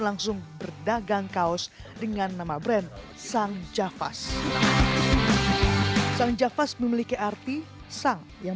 langsung berdagang kaos dengan nama brand sanjavas sanjavas memiliki arti sang yang